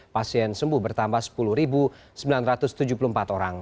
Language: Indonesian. pasien sembuh bertambah sepuluh sembilan ratus tujuh puluh empat orang